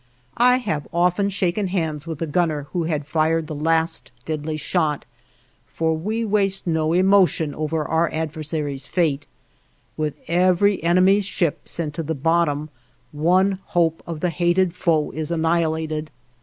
I have often shaken hands with the gunner who had fired the last deadly shot, for we waste no emotion over our adversary's fate. With every enemy's ship sent to the bottom, one hope of the hated foe is annihilated.